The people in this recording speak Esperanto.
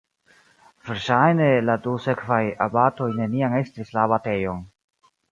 Verŝajne la du sekvaj abatoj neniam estris la abatejon.